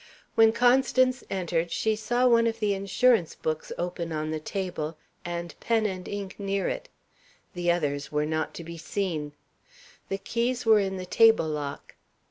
When Constance entered, she saw one of the insurance books open on the table, the pen and ink near it; the others were not to be seen. The keys were in the table lock.